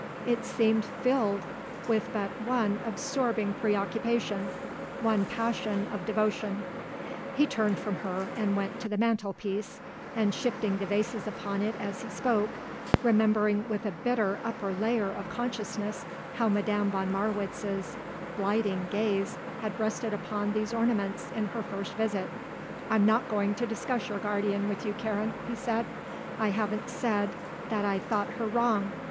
It seemed filled with but one absorbing preoccupation, one passion of devotion. He turned from her and went to the mantelpiece, and shifting the vases upon it as he spoke, remembering with a bitter upper layer of consciousness how Madame von Marwitz's blighting gaze had rested upon these ornaments in her first visit; "I'm not going to discuss your guardian with you, Karen," he said; "I haven't said that I thought her wrong.